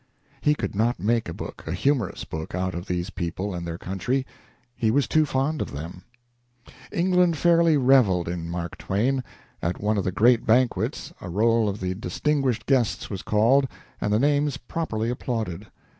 He could not make a book a humorous book out of these people and their country; he was too fond of them. England fairly reveled in Mark Twain. At one of the great banquets, a roll of the distinguished guests was called, and the names properly applauded.